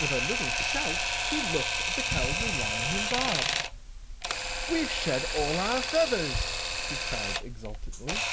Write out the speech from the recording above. With a little shout he looked at the Cowardly Lion and Bob. "We've all shed our feathers," he cried exultantly.